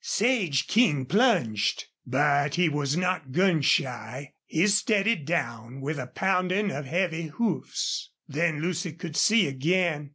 Sage King plunged. But he was not gun shy. He steadied down with a pounding of heavy hoofs. Then Lucy could see again.